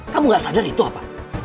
kamu gak sadar itu apa